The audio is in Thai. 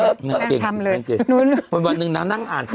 นางทำเลยควรแบบนึงนางนางอ่านทำ